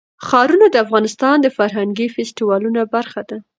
ښارونه د افغانستان د فرهنګي فستیوالونو برخه ده.